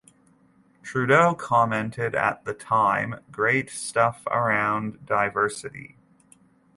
Trudeau commented at the time "great stuff around diversity".